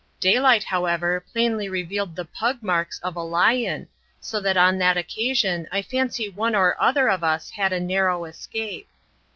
Daylight, however, plainly revealed the "pug" marks of a lion, so that on that occasion I fancy one or other of us had a narrow escape.